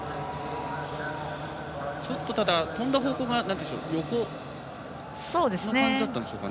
ちょっと、跳んだ方向が横な感じだったんでしょうか。